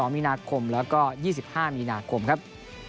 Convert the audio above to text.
มีนาคมแล้วก็๒๕มีนาคมครับ